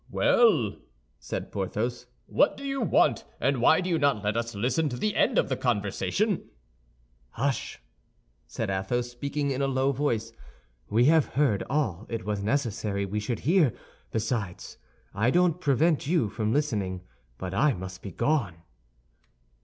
"Well," said Porthos, "what do you want, and why do you not let us listen to the end of the conversation?" "Hush!" said Athos, speaking in a low voice. "We have heard all it was necessary we should hear; besides, I don't prevent you from listening, but I must be gone."